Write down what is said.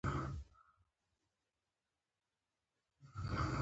هرکله راشه